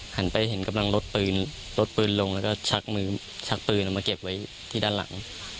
หันไปเห็นกำลังลดปืนลดปืนลงแล้วก็ชักมือชักปืนออกมาเก็บไว้ที่ด้านหลัง